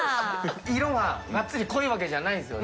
色はがっつり濃いわけじゃないんですよ。